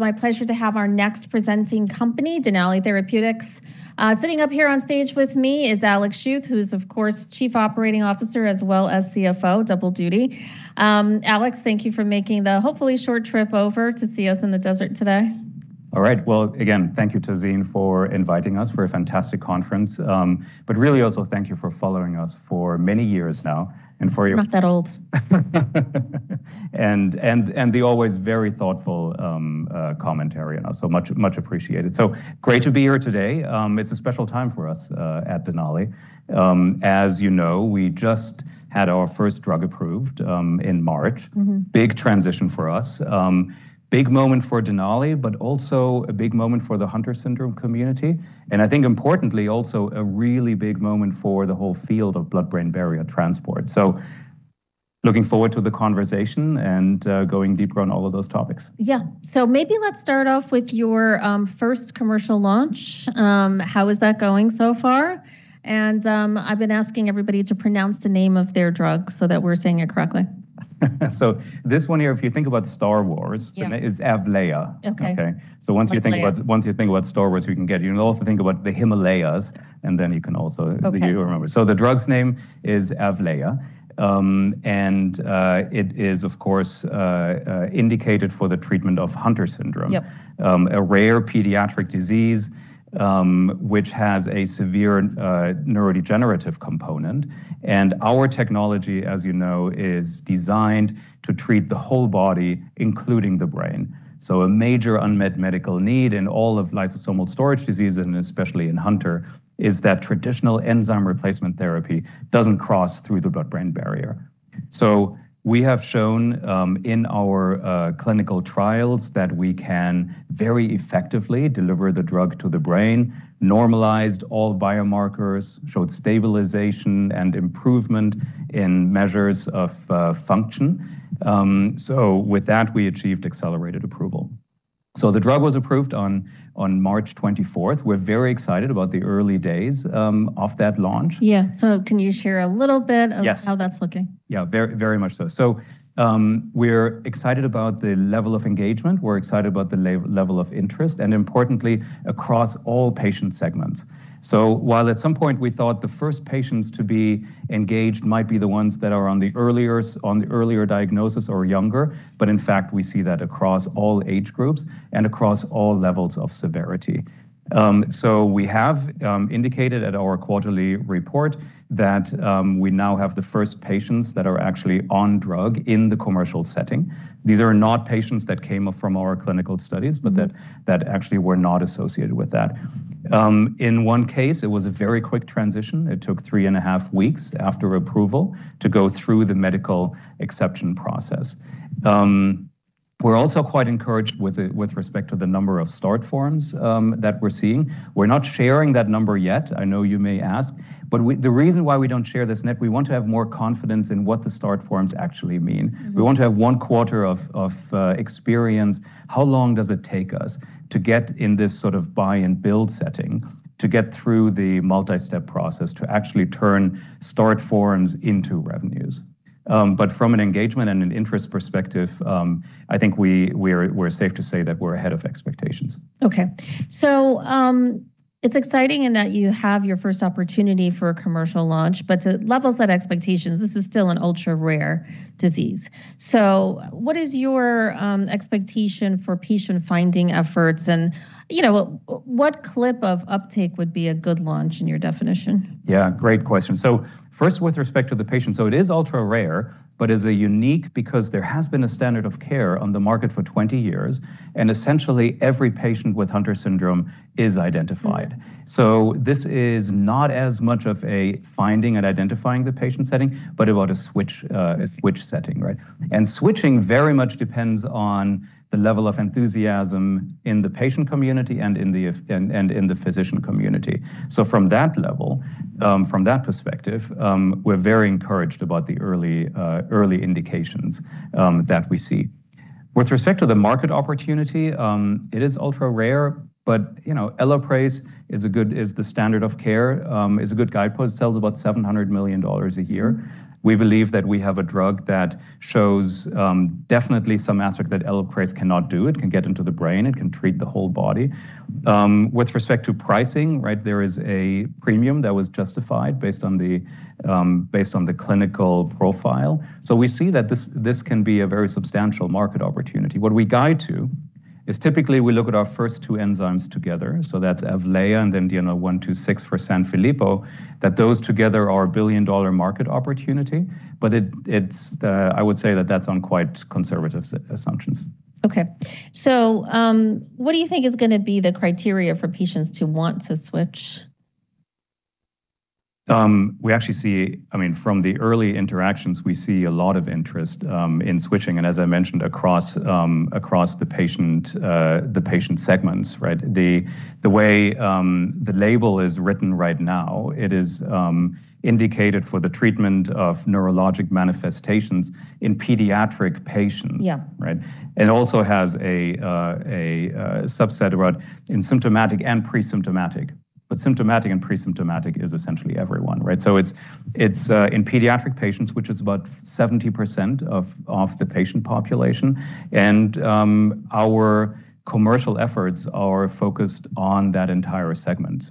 My pleasure to have our next presenting company, Denali Therapeutics. Sitting up here on stage with me is Alexander Schuth, who's of course Chief Operating Officer, as well as CFO, double duty. Alex, thank you for making the hopefully short trip over to see us in the desert today. All right. Well, again, thank you to Geoff Meacham for inviting us for a fantastic conference. Really also thank you for following us for many years now. I'm not that old. The always very thoughtful, commentary and also much, much appreciated. Great to be here today. It's a special time for us, at Denali. As you know, we just had our first drug approved, in March. Big transition for us. Big moment for Denali, but also a big moment for the Hunter syndrome community, and I think importantly also a really big moment for the whole field of blood-brain barrier transport. Looking forward to the conversation and going deeper on all of those topics. Yeah. Maybe let's start off with your first commercial launch. How is that going so far? I've been asking everybody to pronounce the name of their drug so that we're saying it correctly. This one here, if you think about Star Wars. Yeah Is AVLAYAH. Okay. Okay? AVLAYAH Once you think about Star Wars, You can also think about the Himalayas. Okay The drug's name is AVLAYAH. It is of course indicated for the treatment of Hunter syndrome. Yep A rare pediatric disease, which has a severe neurodegenerative component. Our technology, as you know, is designed to treat the whole body, including the brain. A major unmet medical need in all of lysosomal storage disease, and especially in Hunter syndrome, is that traditional enzyme replacement therapy doesn't cross through the blood-brain barrier. We have shown in our clinical trials that we can very effectively deliver the drug to the brain, normalized all biomarkers, showed stabilization and improvement in measures of function. With that, we achieved accelerated approval. The drug was approved on March 24. We're very excited about the early days of that launch. Yeah. So can you share a little bit of how that's looking? Yeah. Very much so. We're excited about the level of engagement. We're excited about the level of interest, and importantly, across all patient segments. While at some point we thought the first patients to be engaged might be the ones that are on the earliers, on the earlier diagnosis or younger, but in fact, we see that across all age groups and across all levels of severity. We have indicated at our quarterly report that we now have the first patients that are actually on drug in the commercial setting. These are not patients that came up from our clinical studies, but that actually were not associated with that. In one case, it was a very quick transition. It took three and a half weeks after approval to go through the medical exception process. We're also quite encouraged with respect to the number of start forms that we're seeing. We're not sharing that number yet, I know you may ask, the reason why we don't share this, Net, we want to have more confidence in what the start forms actually mean. We want to have one quarter of experience, how long does it take us to get in this sort of buy and build setting, to get through the multi-step process to actually turn start forms into revenues? From an engagement and an interest perspective, I think we're safe to say that we're ahead of expectations. It's exciting in that you have your first opportunity for a commercial launch, but to levels set expectations, this is still an ultra rare disease. What is your expectation for patient finding efforts? You know, what clip of uptake would be a good launch in your definition? Yeah, great question. First with respect to the patient, it is ultra rare, but is a unique because there has been a standard of care on the market for 20 years, and essentially every patient with Hunter syndrome is identified. This is not as much of a finding and identifying the patient setting, but about a switch, a switch setting, right? Switching very much depends on the level of enthusiasm in the patient community and in the physician community. From that level, from that perspective, we're very encouraged about the early indications that we see. With respect to the market opportunity, it is ultra rare, but you know, ELAPRASE is a good, is the standard of care, is a good guidepost. It sells about $700 million a year. We believe that we have a drug that shows definitely some aspects that ELAPRASE cannot do. It can get into the brain, it can treat the whole body. With respect to pricing, right, there is a premium that was justified based on the based on the clinical profile. We see that this can be a very substantial market opportunity. What we guide to is typically we look at our first two enzymes together, so that's AVLAYAH and then DNL126 for Sanfilippo, that those together are a $1 billion market opportunity. It's the, I would say that that's on quite conservative assumptions. Okay. What do you think is going to be the criteria for patients to want to switch? We actually see, I mean, from the early interactions, we see a lot of interest in switching, and as I mentioned, across the patient segments, right? The way the label is written right now, it is indicated for the treatment of neurologic manifestations in pediatric patients. Yeah. Right? It also has a subset about in symptomatic and pre-symptomatic. Symptomatic and pre-symptomatic is essentially everyone, right? It's in pediatric patients, which is about 70% of the patient population. Our commercial efforts are focused on that entire segment.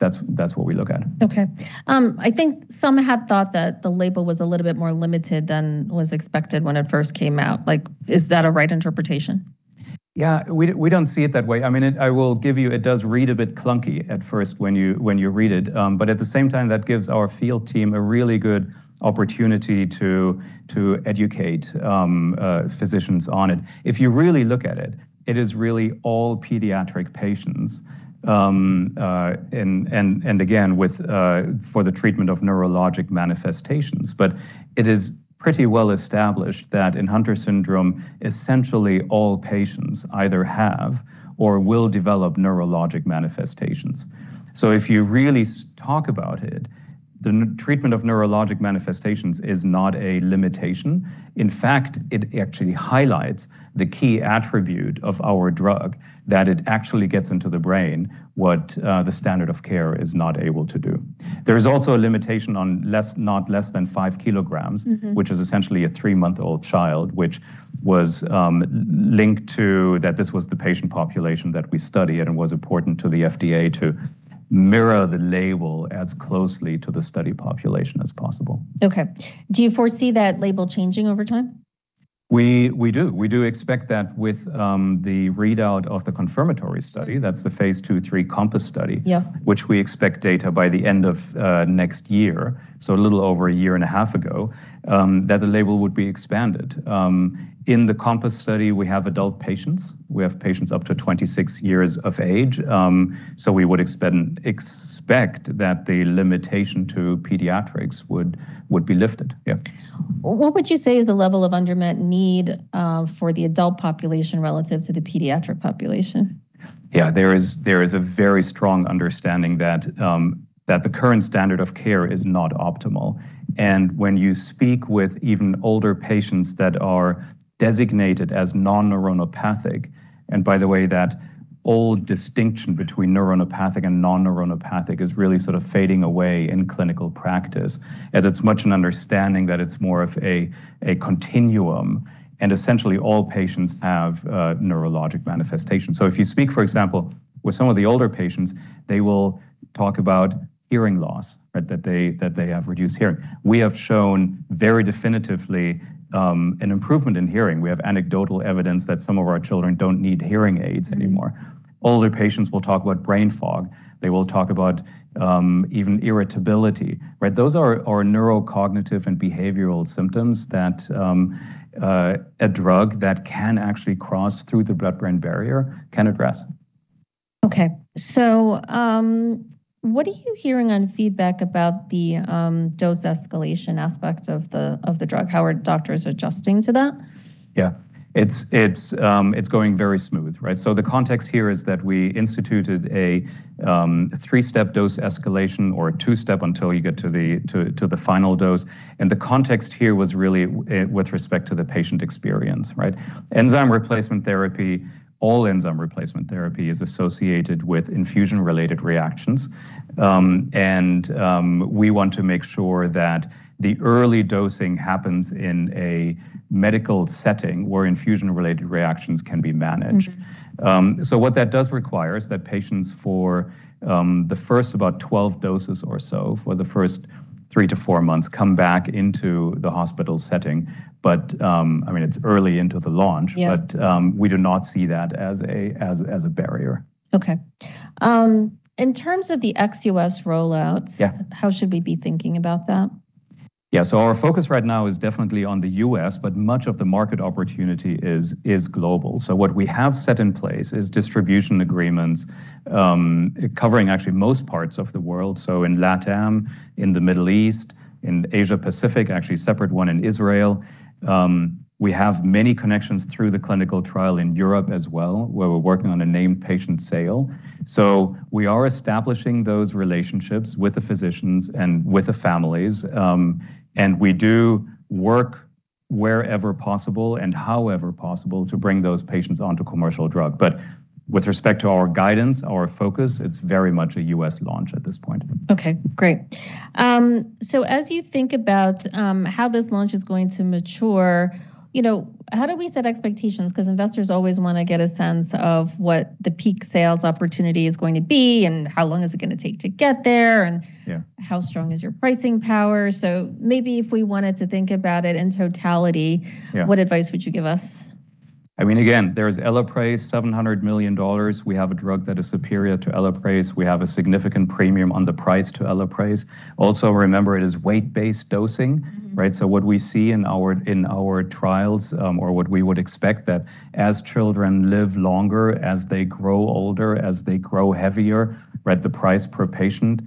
That's, that's what we look at. Okay. I think some had thought that the label was a little bit more limited than was expected when it first came out. Like, is that a right interpretation? Yeah, we don't see it that way. I mean, I will give you, it does read a bit clunky at first when you, when you read it. At the same time, that gives our field team a really good opportunity to educate physicians on it. If you really look at it is really all pediatric patients and again, with for the treatment of neurologic manifestations. It is pretty well established that in Hunter syndrome, essentially all patients either have or will develop neurologic manifestations. If you really talk about it, the treatment of neurologic manifestations is not a limitation. In fact, it actually highlights the key attribute of our drug that it actually gets into the brain what the standard of care is not able to do. There is also a limitation on less, not less than five kilograms. Which is essentially a three month old child, which was linked to that this was the patient population that we studied, and it was important to the FDA to mirror the label as closely to the study population as possible. Okay. Do you foresee that label changing over time? We do. We do expect that with the readout of the confirmatory study, that's the phase II/III COMPASS study. Yeah which we expect data by the end of next year, so a little over a year and a half ago, that the label would be expanded. In the COMPASS study, we have adult patients. We have patients up to 26 years of age, so we would expect that the limitation to pediatrics would be lifted. Yeah. What would you say is the level of unmet need for the adult population relative to the pediatric population? There is a very strong understanding that the current standard of care is not optimal. When you speak with even older patients that are designated as non-neuropathic, and by the way, that old distinction between neuropathic and non-neuropathic is really sort of fading away in clinical practice, as it's much an understanding that it's more of a continuum, and essentially all patients have neurologic manifestations. If you speak, for example, with some of the older patients, they will talk about hearing loss, right? They have reduced hearing. We have shown very definitively an improvement in hearing. We have anecdotal evidence that some of our children don't need hearing aids anymore. Older patients will talk about brain fog. They will talk about even irritability, right? Those are neurocognitive and behavioral symptoms that, a drug that can actually cross through the blood-brain barrier can address. Okay. What are you hearing on feedback about the dose escalation aspect of the drug? How are doctors adjusting to that? Yeah. It's going very smooth, right? The context here is that we instituted a 3-step dose escalation or a 2-step until you get to the final dose. The context here was really with respect to the patient experience, right? Enzyme replacement therapy, all enzyme replacement therapy is associated with infusion-related reactions. We want to make sure that the early dosing happens in a medical setting where infusion-related reactions can be managed. What that does require is that patients for the first about 12 doses or so, for the first 3 to 4 months, come back into the hospital setting. I mean, it's early into the launch. Yeah We do not see that as a barrier. Okay. In terms of the ex-U.S. rollouts. Yeah How should we be thinking about that? Yeah. Our focus right now is definitely on the U.S., but much of the market opportunity is global. What we have set in place is distribution agreements, covering actually most parts of the world, so in LATAM, in the Middle East, in Asia-Pacific, actually separate one in Israel. We have many connections through the clinical trial in Europe as well, where we are working on a named patient sale. We are establishing those relationships with the physicians and with the families, and we do work wherever possible and however possible to bring those patients onto commercial drug. With respect to our guidance, our focus, it is very much a U.S. launch at this point. Okay, great. As you think about, how this launch is going to mature, you know, how do we set expectations? Because investors always want to get a sense of what the peak sales opportunity is going to be, and how long is it going to take to get there. Yeah How strong is your pricing power. maybe if we wanted to think about it in totality. Yeah What advice would you give us? I mean, again, there's ELAPRASE, $700 million. We have a drug that is superior to ELAPRASE. We have a significant premium on the price to ELAPRASE. Also, remember, it is weight-based dosing. Right. What we see in our, in our trials, or what we would expect that as children live longer, as they grow older, as they grow heavier, right, the price per patient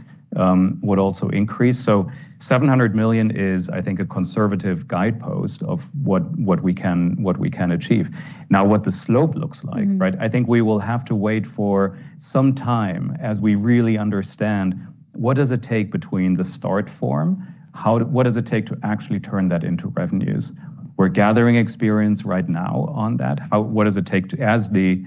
would also increase. $700 million is, I think, a conservative guidepost of what we can achieve. What the slope looks like.right? I think we will have to wait for some time as we really understand what does it take between the start form? What does it take to actually turn that into revenues? We're gathering experience right now on that. What does it take to As the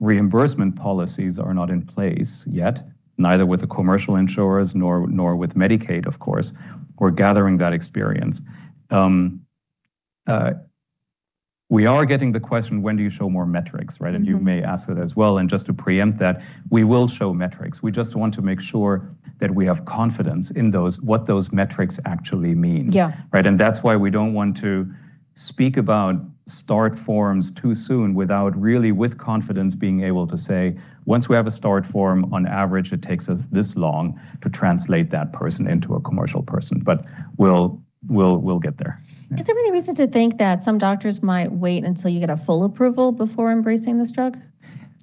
reimbursement policies are not in place yet, neither with the commercial insurers nor with Medicaid, of course, we're gathering that experience. We are getting the question, when do you show more metrics, right? You may ask that as well. Just to pre-empt that, we will show metrics. We just want to make sure that we have confidence in those, what those metrics actually mean. Yeah. Right? That's why we don't want to speak about start forms too soon without really with confidence being able to say, "Once we have a start form, on average, it takes us this long to translate that person into a commercial person." We'll get there. Yeah. Is there any reason to think that some doctors might wait until you get a full approval before embracing this drug?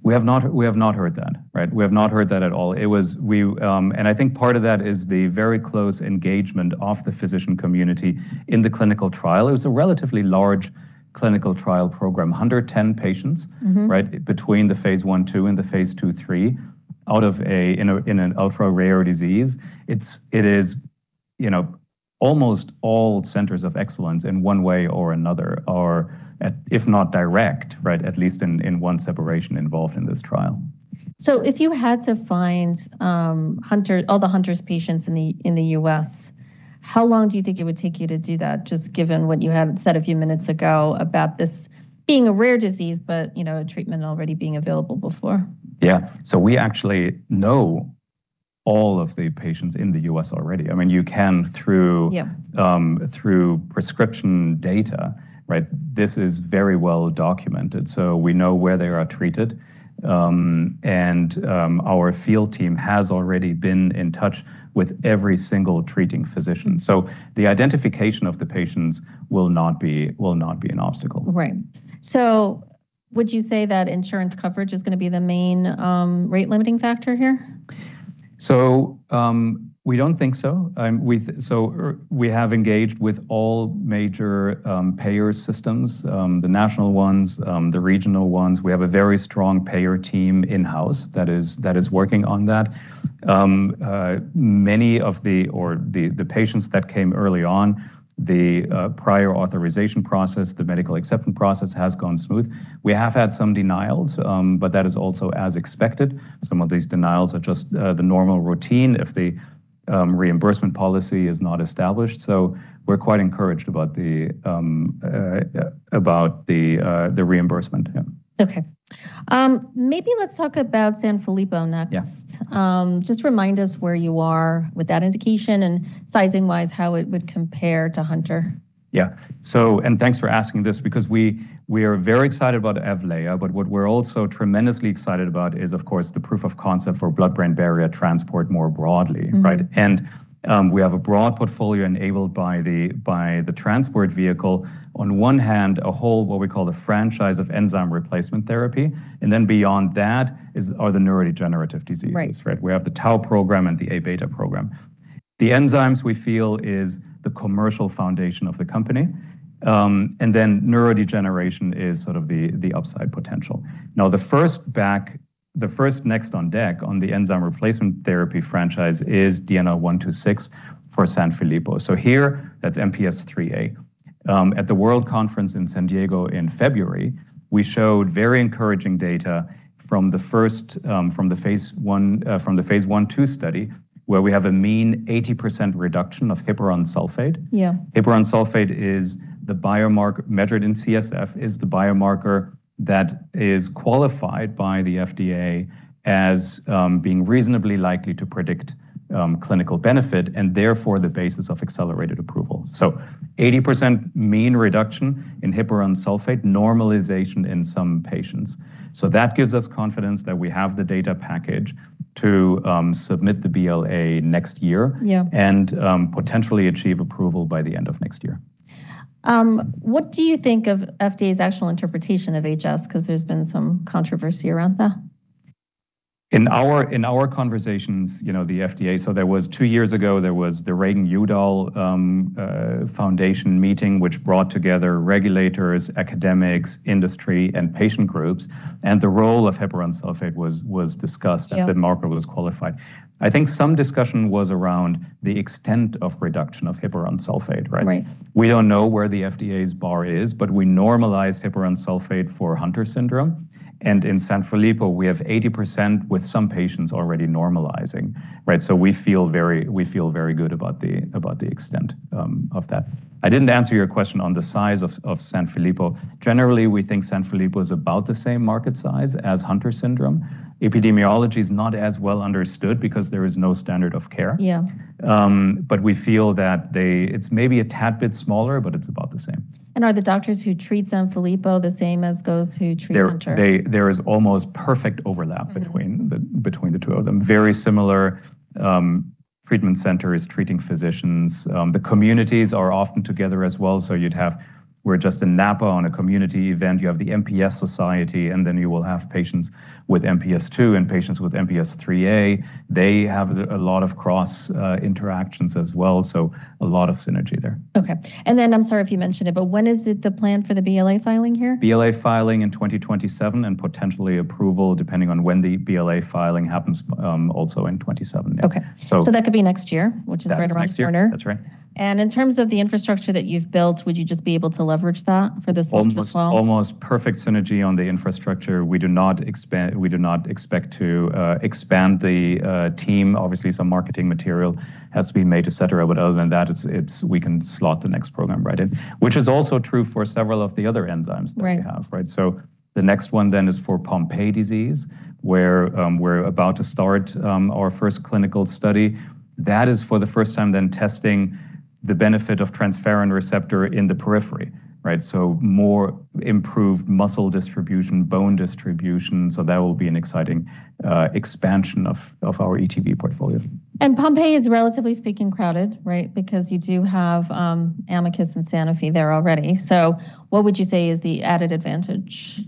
We have not heard that, right? We have not heard that at all. I think part of that is the very close engagement of the physician community in the clinical trial. It was a relatively large clinical trial program. 110 patients.right? Between the phase I/II and the phase II/III. In an ultra-rare disease, it is, you know, almost all centers of excellence in one way or another are, if not direct, right, at least in one separation involved in this trial. If you had to find Hunter, all the Hunter patients in the U.S., how long do you think it would take you to do that, just given what you had said a few minutes ago about this being a rare disease, but you know, treatment already being available before? Yeah. We actually know all of the patients in the U.S. already. I mean, you can. Yeah Through prescription data, right? This is very well documented, so we know where they are treated. Our field team has already been in touch with every single treating physician. The identification of the patients will not be an obstacle. Right. Would you say that insurance coverage is going to be the main, rate limiting factor here? We don't think so. We have engaged with all major payer systems, the national ones, the regional ones. We have a very strong payer team in-house that is working on that. Many of the patients that came early on, the prior authorization process, the medical acceptance process has gone smooth. We have had some denials, that is also as expected. Some of these denials are just the normal routine if the reimbursement policy is not established. We're quite encouraged about the reimbursement. Okay. Maybe let's talk about Sanfilippo next. Yeah. Just remind us where you are with that indication and sizing-wise, how it would compare to Hunter? Yeah. Thanks for asking this because we are very excited about AVLAYAH, but what we're also tremendously excited about is, of course, the proof of concept for blood-brain barrier transport more broadly, right? We have a broad portfolio enabled by the Transport Vehicle. On one hand, a whole what we call the franchise of enzyme replacement therapy, and then beyond that is, are the neurodegenerative diseases. Right. Right? We have the tau program and the A-beta program. The enzymes, we feel, is the commercial foundation of the company. Then neurodegeneration is sort of the upside potential. The first next on deck on the enzyme replacement therapy franchise is DNL126 for Sanfilippo. Here, that's MPS IIIA. At the World Conference in San Diego in February, we showed very encouraging data from the phase I-II study, where we have a mean 80% reduction of heparan sulfate. Yeah. Heparan sulfate is the biomarker measured in CSF, is the biomarker that is qualified by the FDA as being reasonably likely to predict clinical benefit and therefore the basis of accelerated approval. 80% mean reduction in heparan sulfate normalization in some patients. That gives us confidence that we have the data package to submit the BLA next year, and- Yeah -potentially achieve approval by the end of next year. What do you think of FDA's actual interpretation of HS? There's been some controversy around that. In our conversations, you know, the FDA. Two years ago, there was the Reagan-Udall Foundation meeting, which brought together regulators, academics, industry, and patient groups, and the role of Heparan sulfate was discussed. Yeah The marker was qualified. I think some discussion was around the extent of reduction of Heparan sulfate, right? Right. We don't know where the FDA's bar is, but we normalize Heparan sulfate for Hunter syndrome. In Sanfilippo, we have 80% with some patients already normalizing, right? We feel very good about the extent of that. I didn't answer your question on the size of Sanfilippo. Generally, we think Sanfilippo is about the same market size as Hunter syndrome. Epidemiology is not as well understood because there is no standard of care. Yeah. We feel that it's maybe a tad bit smaller, but it's about the same. Are the doctors who treat Sanfilippo the same as those who treat Hunter? There is almost perfect overlap. between the two of them. Very similar, treatment centers, treating physicians. The communities are often together as well, so We're just in Napa on a community event. You have the MPS Society, and then you will have patients with MPS II and patients with MPS IIIA. They have a lot of cross, interactions as well, so a lot of synergy there. Okay. I'm sorry if you mentioned it, when is it the plan for the BLA filing here? BLA filing in 2027, and potentially approval, depending on when the BLA filing happens, also in 2027. Okay. So- That could be next year, which is right around the corner. That's next year. That's right. In terms of the infrastructure that you've built, would you just be able to leverage that for this? Almost- additional? Almost perfect synergy on the infrastructure. We do not expect to expand the team. Obviously, some marketing material has to be made, et cetera, but other than that, it's we can slot the next program right in, which is also true for several of the other enzymes. Right The next one is for Pompe disease, where we're about to start our first clinical study. That is for the first time testing the benefit of transferrin receptor in the periphery, right? More improved muscle distribution, bone distribution, so that will be an exciting expansion of our ETV portfolio. Pompe is relatively speaking crowded, right? Because you do have Amicus and Sanofi there already. What would you say is the added advantage?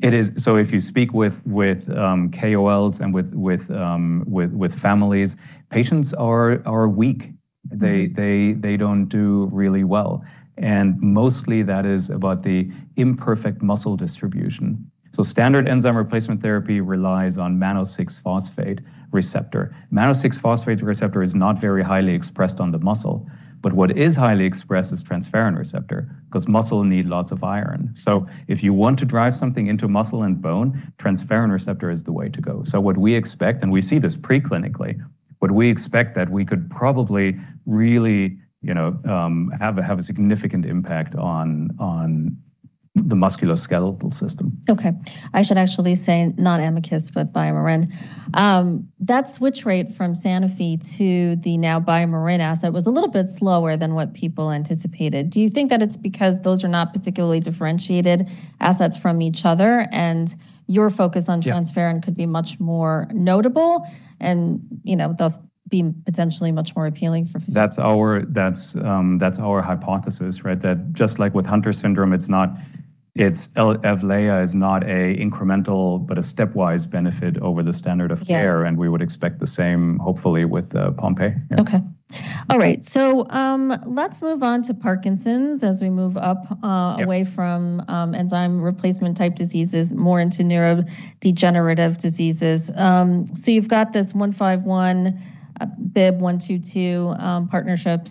If you speak with KOLs and with families, patients are weak. They don't do really well. Mostly that is about the imperfect muscle distribution. Standard enzyme replacement therapy relies on mannose-6-phosphate receptor. Mannose-6-phosphate receptor is not very highly expressed on the muscle, but what is highly expressed is transferrin receptor, 'cause muscle need lots of iron. If you want to drive something into muscle and bone, transferrin receptor is the way to go. What we expect, and we see this preclinically, what we expect that we could probably really, you know, have a significant impact on the musculoskeletal system. Okay. I should actually say not Amicus, but BioMarin. That switch rate from Sanofi to the now BioMarin asset was a little bit slower than what people anticipated. Do you think that it's because those are not particularly differentiated assets from each other, and your focus on- Yeah transferrin could be much more notable and, you know, thus being potentially much more appealing for physicians? That's our hypothesis, right? That just like with Hunter syndrome, AVLAYAH is not an incremental, but a stepwise benefit over the standard of care. Yeah. We would expect the same, hopefully, with Pompe. Yeah. Okay. All right. Let's move on to Parkinson's as we move up. Yeah away from enzyme replacement type diseases more into neurodegenerative diseases. You've got this DNL151, BIIB122 partnership.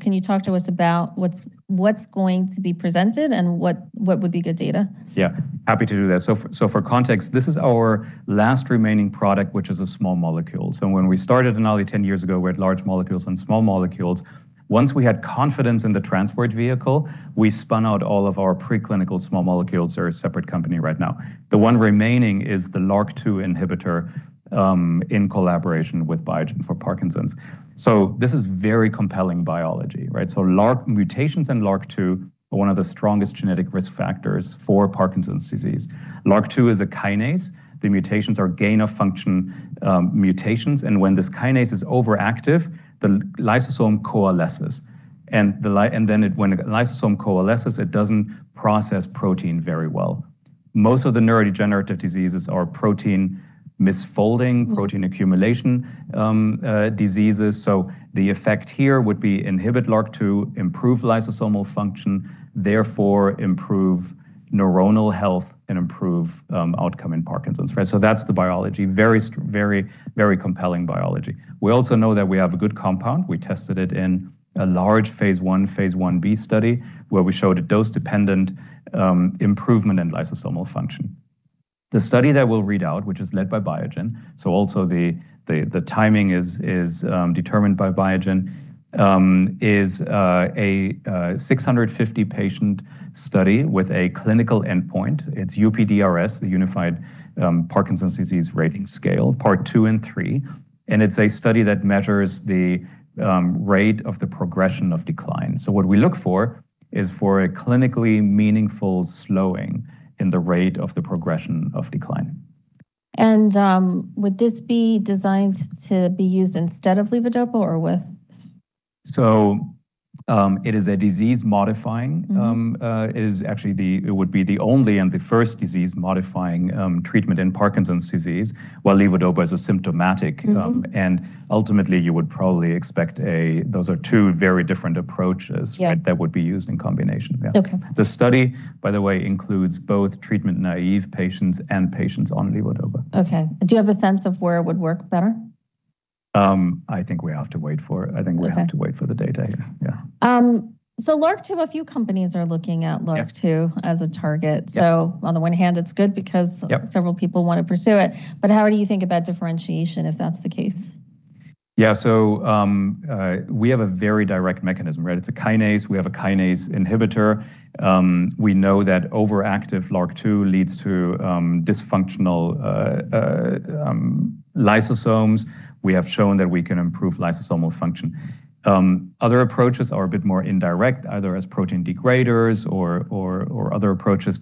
Can you talk to us about what's going to be presented and what would be good data? Yeah. Happy to do that. For context, this is our last remaining product, which is a small molecule. When we started Denali 10 years ago, we had large molecules and small molecules. Once we had confidence in the transport vehicle, we spun out all of our preclinical small molecules. They're a separate company right now. The one remaining is the LRRK2 inhibitor, in collaboration with Biogen for Parkinson's. This is very compelling biology, right? Mutations in LRRK2 are one of the strongest genetic risk factors for Parkinson's disease. LRRK2 is a kinase. The mutations are gain-of-function mutations, and when this kinase is overactive, the lysosome coalesces. When a lysosome coalesces, it doesn't process protein very well. Most of the neurodegenerative diseases are protein misfolding. protein accumulation diseases. The effect here would be inhibit LRRK2, improve lysosomal function, therefore improve neuronal health and improve outcome in Parkinson's, right? That's the biology. Very compelling biology. We also know that we have a good compound. We tested it in a large phase I, phase I-B study, where we showed a dose-dependent improvement in lysosomal function. The study that we'll read out, which is led by Biogen, so also the timing is determined by Biogen, is a 650 patient study with a clinical endpoint. It's UPDRS, the Unified Parkinson's Disease Rating Scale, part 2 and 3. It's a study that measures the rate of the progression of decline. What we look for is for a clinically meaningful slowing in the rate of the progression of decline. Would this be designed to be used instead of levodopa or with? It is a disease-modifying. It is actually it would be the only and the first disease-modifying treatment in Parkinson's disease, while levodopa is a symptomatic. Ultimately, those are two very different approaches. Yeah right? That would be used in combination. Yeah. Okay. The study, by the way, includes both treatment-naive patients and patients on levodopa. Okay. Do you have a sense of where it would work better? I think we have to wait for it. Okay to wait for the data. Yeah, yeah. LRRK2, a few companies are looking at LRRK2- Yeah as a target. Yeah. On the one hand, it's good. Yep several people want to pursue it. How do you think about differentiation, if that's the case? Yeah. We have a very direct mechanism, right? It's a kinase. We have a kinase inhibitor. We know that overactive LRRK2 leads to dysfunctional lysosomes. We have shown that we can improve lysosomal function. Other approaches are a bit more indirect, either as protein degraders or other approaches.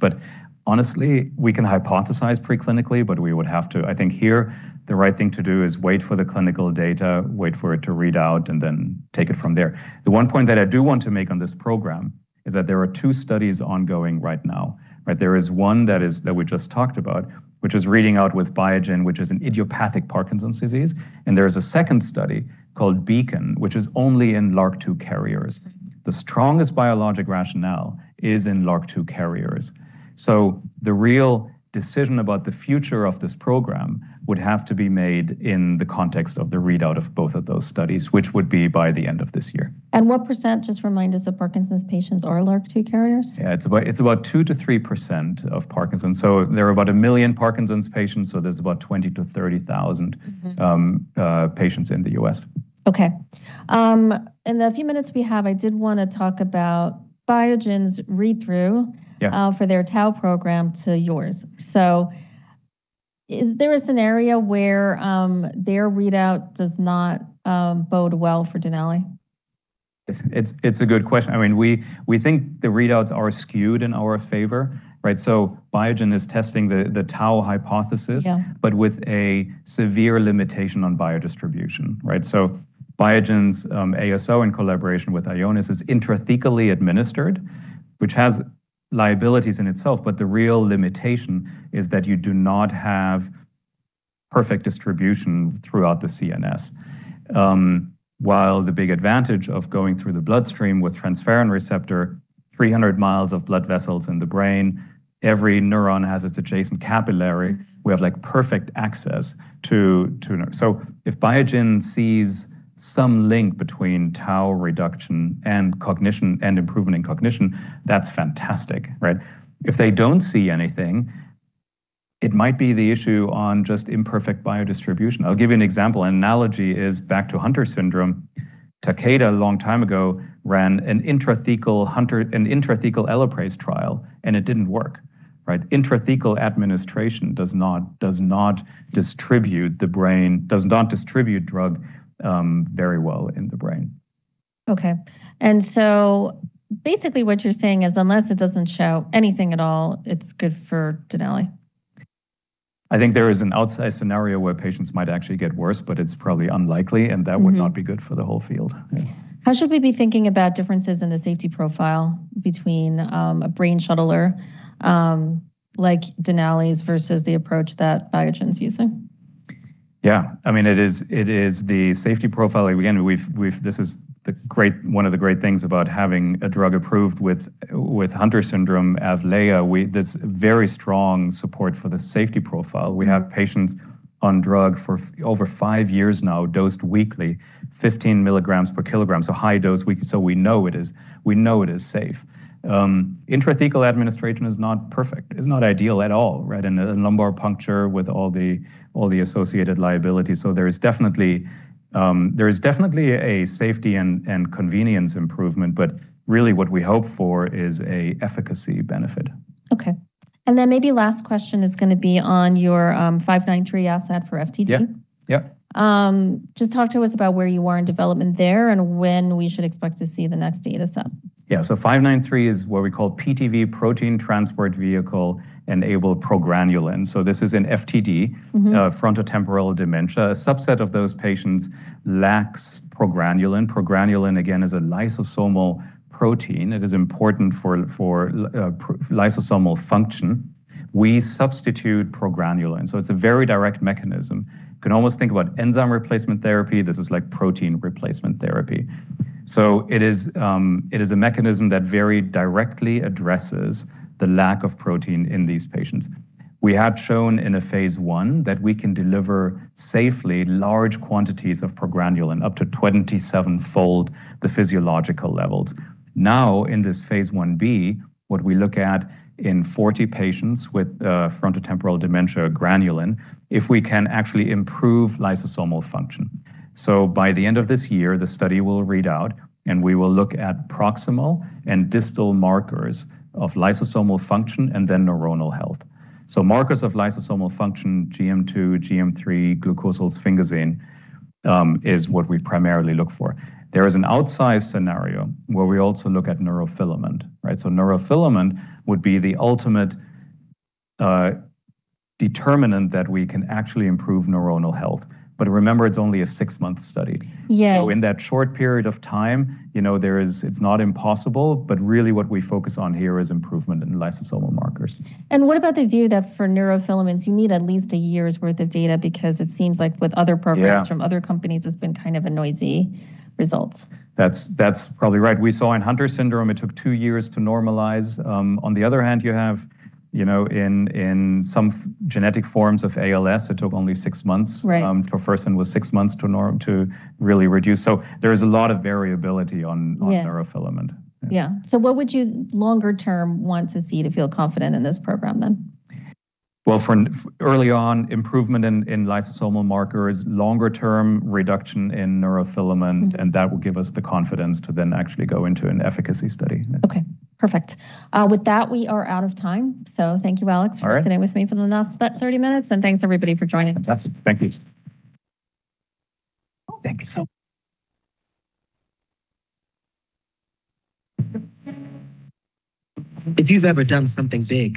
Honestly, we can hypothesize pre-clinically, but I think here the right thing to do is wait for the clinical data, wait for it to read out, take it from there. The one point that I do want to make on this program is that there are 2 studies ongoing right now, right? There is one that we just talked about, which is reading out with Biogen, which is an idiopathic Parkinson's disease, and there is a second study called BEACON, which is only in LRRK2 carriers. The strongest biologic rationale is in LRRK2 carriers. The real decision about the future of this program would have to be made in the context of the readout of both of those studies, which would be by the end of this year. What %, just remind us, of Parkinson's patients are LRRK2 carriers? Yeah. It's about 2%-3% of Parkinson's. There are about 1 million Parkinson's patients, so there's about 20,000-30,000 patients. patients in the U.S. Okay. in the few minutes we have, I did want to talk about Biogen's read-through. Yeah For their tau program to yours. Is there a scenario where their readout does not bode well for Denali? It's a good question. I mean, we think the readouts are skewed in our favor, right? Biogen is testing the tau hypothesis. Yeah With a severe limitation on biodistribution, right? Biogen's ASO in collaboration with Ionis is intrathecally administered, which has liabilities in itself, but the real limitation is that you do not have perfect distribution throughout the CNS. The big advantage of going through the bloodstream with transferrin receptor, 300 miles of blood vessels in the brain, every neuron has its adjacent capillary. We have like perfect access to. If Biogen sees some link between tau reduction and cognition and improvement in cognition, that's fantastic, right? If they don't see anything, it might be the issue on just imperfect biodistribution. I'll give you an example. An analogy is back to Hunter syndrome. Takeda, a long time ago, ran an intrathecal ELAPRASE trial, it didn't work, right? Intrathecal administration does not distribute the brain, does not distribute drug very well in the brain. Okay. Basically what you're saying is unless it doesn't show anything at all, it's good for Denali? I think there is an outside scenario where patients might actually get worse, but it's probably unlikely. not be good for the whole field. Yeah. How should we be thinking about differences in the safety profile between a brain shuttler, like Denali's versus the approach that Biogen's using? Yeah. I mean, it is the safety profile. Again, we've, one of the great things about having a drug approved with Hunter syndrome, AVLAYAH. There's very strong support for the safety profile. We have patients on drug for over five years now, dosed weekly, 15 milligrams per kilogram, so high dose week, so we know it is safe. Intrathecal administration is not perfect. It's not ideal at all, right? The lumbar puncture with all the associated liabilities. There is definitely a safety and convenience improvement, but really what we hope for is a efficacy benefit. Okay. Then maybe last question is going to be on your DNL593 asset for FTD. Yeah. Yeah. Just talk to us about where you are in development there and when we should expect to see the next data set. Yeah. DNL593 is what we call PTV, protein transport vehicle-enabled progranulin. This is an FTD. Frontotemporal dementia. A subset of those patients lacks progranulin. Progranulin, again, is a lysosomal protein. It is important for lysosomal function. We substitute progranulin, so it's a very direct mechanism. You can almost think about enzyme replacement therapy. This is like protein replacement therapy. It is a mechanism that very directly addresses the lack of protein in these patients. We had shown in a phase I that we can deliver safely large quantities of progranulin, up to 27-fold the physiological levels. Now, in this phase I-B, what we look at in 40 patients with frontotemporal dementia progranulin, if we can actually improve lysosomal function. By the end of this year, the study will read out, and we will look at proximal and distal markers of lysosomal function and then neuronal health. Markers of lysosomal function, GM2, GM3, glucosylsphingosine, is what we primarily look for. There is an outsize scenario where we also look at neurofilament. Right? Neurofilament would be the ultimate determinant that we can actually improve neuronal health. Remember, it's only a 6-month study. Yeah. In that short period of time, you know, it's not impossible, but really what we focus on here is improvement in lysosomal markers. What about the view that for neurofilaments you need at least a year's worth of data? It seems like with other programs. Yeah from other companies, it's been kind of a noisy result. That's probably right. We saw in Hunter syndrome it took 2 years to normalize. On the other hand, you have, you know, in some genetic forms of ALS, it took only 6 months. Right. For first one was six months to really reduce. There is a lot of variability on- Yeah on neurofilament. Yeah. What would you longer term want to see to feel confident in this program then? Well, for an early on, improvement in lysosomal markers. Longer term, reduction in neurofilament. That will give us the confidence to then actually go into an efficacy study. Okay. Perfect. With that, we are out of time. Thank you, Alex Schuth. All right. for sitting with me for the last about 30 minutes, and thanks everybody for joining. Fantastic. Thank you. If you've ever done something big